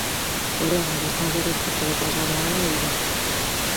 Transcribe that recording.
Porén, a distancia a respecto do pasado ano é evidente.